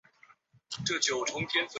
李福仁生于英国伯明翰。